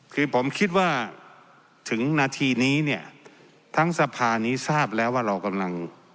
คือผมคิดว่าถึงนาทีนี้เนี่ยทั้งสภานี้ทราบแล้วว่าเรากำลัง